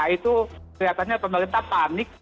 itu sepertinya pemerintah panik